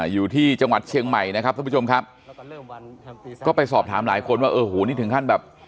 อยู่ที่จังหวัดเชียงใหม่นะครับท่านผู้ชมครับก็ไปสอบถามหลายคนว่าโอ้โหนี่ถึงขั้นแบบ